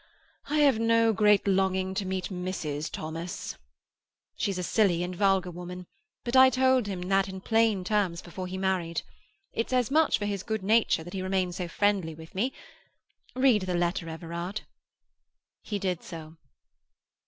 I have no great longing to meet Mrs. Thomas." "She's a silly and a vulgar woman. But I told him that in plain terms before he married. It says much for his good nature that he remains so friendly with me. Read the letter, Everard." He did so.